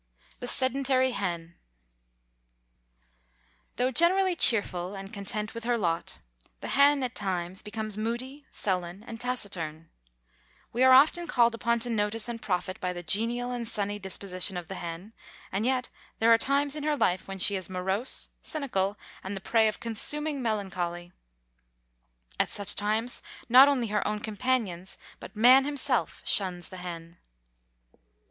The Sedentary Hen. Though generally cheerful and content with her lot, the hen at times becomes moody, sullen and taciturn. We are often called upon to notice and profit by the genial and sunny disposition of the hen, and yet there are times in her life when she is morose, cynical, and the prey of consuming melancholy. At such times not only her own companions, but man himself shuns the hen.